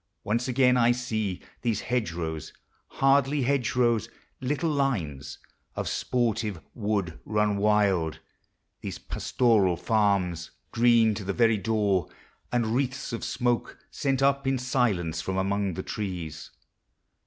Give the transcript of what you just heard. Once again I see These hedge rows, hardly hedge rows, little in Of sportive wood mn wild: these pastoral terms, *The River Wye. 12 POEMS OF NATURE. Green to the very door; and wreaths of smoke Sent up, in silence, from among the trees